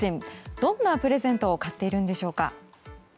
どんなプレゼントを買っているんでしょうか。